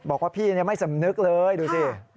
บอกว่าพี่ไม่สำนึกเลยดูสิ